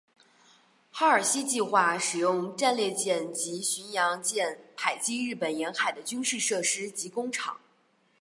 哈尔西计划使用战列舰及巡洋舰炮击日本沿海的军事设施及工厂。